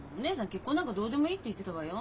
「結婚なんかどうでもいい」って言ってたわよ。